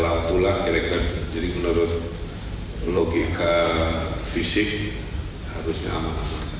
lautan tulang eril khan jadi menurut logika fisik harusnya aman aman